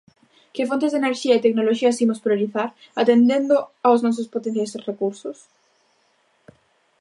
Que fontes de enerxía e tecnoloxías imos priorizar, atendendo aos nosos potenciais recursos?